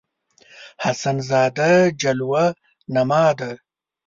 حسن اراده جلوه نما ده